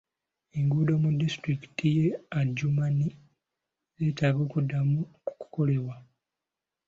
Enguudo mu disitulikiti ye Adjumani zeetaaga kuddamu kukolebwa.